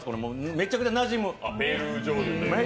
めっちゃくちゃなじむ。